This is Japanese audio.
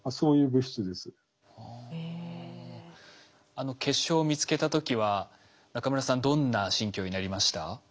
あの結晶を見つけた時は中村さんどんな心境になりました？